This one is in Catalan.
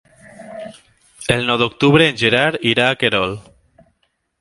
El nou d'octubre en Gerard irà a Querol.